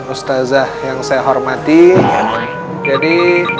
ustadz musa'i mulla dan santun